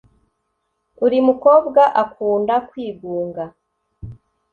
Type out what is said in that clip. uri mukobwa akunda kwigunga